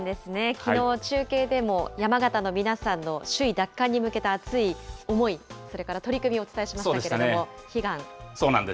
きのう、中継でも山形の皆さんの首位奪還に向けた熱い思い、それから取り組みをお伝えしましたけそうなんです。